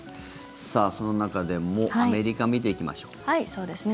その中でもアメリカ見ていきましょうか。